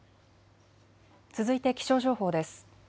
続いて気象情報です。